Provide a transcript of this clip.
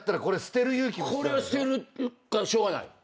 これは捨てるかしょうがない。